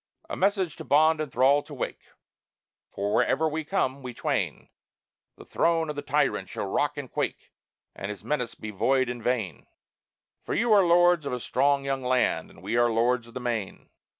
A message to bond and thrall to wake, For wherever we come, we twain, The throne of the tyrant shall rock and quake And his menace be void and vain, For you are lords of a strong young land and we are lords of the main.